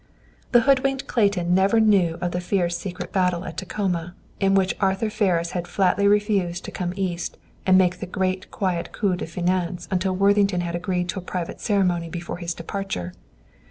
The hoodwinked Clayton never knew of the fierce secret battle at Tacoma, in which Arthur Ferris had flatly refused to come East and make the great quiet coup de finance until Worthington had agreed to a private ceremony before his departure.